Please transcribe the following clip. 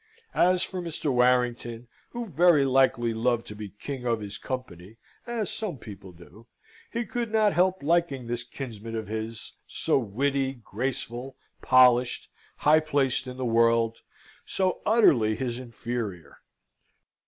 As for Mr. Warrington, who very likely loved to be king of his company (as some people do), he could not help liking this kinsman of his, so witty, graceful, polished, high placed in the world so utterly his inferior.